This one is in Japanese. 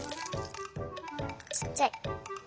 ちっちゃい。